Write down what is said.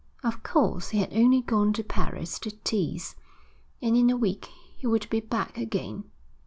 Of course he had only gone to Paris to tease, and in a week he would be back again.